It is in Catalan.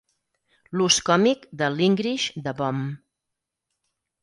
L'ús còmic de l'"Engrish" de Bomb.